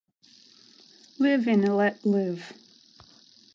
Live and let live.